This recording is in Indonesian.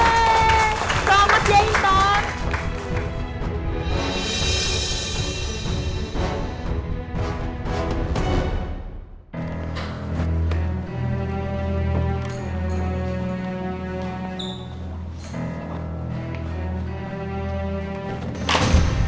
selamat ya intan